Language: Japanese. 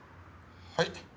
はい。